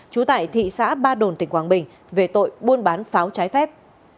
trú tại thị xã ba đồn tỉnh quảng bình về tội buôn bán pháo trái phép